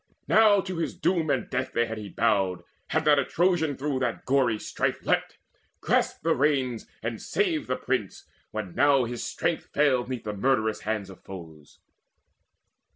Now to his doom and death day had he bowed, Had not a Trojan through that gory strife Leapt, grasped the reins, and saved the prince, when now His strength failed 'neath the murderous hands of foes.